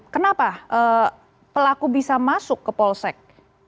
kenapa pelaku bisa masuk ke polsek